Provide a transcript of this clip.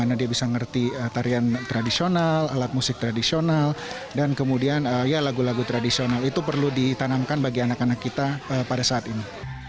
karena dia bisa ngerti tarian tradisional alat musik tradisional dan kemudian ya lagu lagu tradisional itu perlu ditanamkan bagi anak anak kita pada saat ini